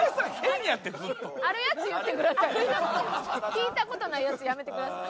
聞いた事ないやつやめてください。